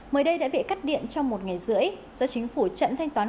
mới đây đã bị cắt điện trong một ngày rưỡi do chính phủ trận thanh toán